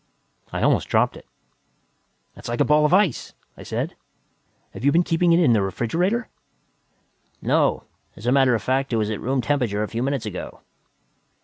I almost dropped it. "It's like a ball of ice!" I said. "Have you been keeping it in the refrigerator?" "No. As a matter of fact, it was at room temperature a few minutes ago."